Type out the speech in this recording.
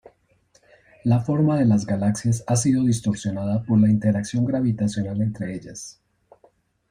La forma de las galaxias ha sido distorsionada por la interacción gravitacional entre ellas.